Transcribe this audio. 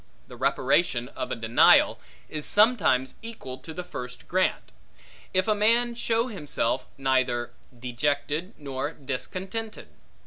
The reparation of a denial, is sometimes equal to the first grant; if a man show himself neither dejected nor discontented.